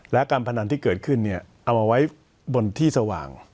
และการพนันที่เกิดขึ้นเอามาไว้บนที่สว่าง